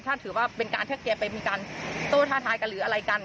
ถ้าถือว่าเป็นการถ้าแกไปมีการโต้ท่าทายกันหรืออะไรกัน